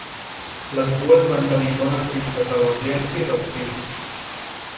Les dues van tenir bona acollida de l'audiència i dels crítics.